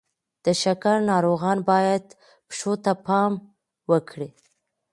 د شکر ناروغان باید پښو ته پام وکړي.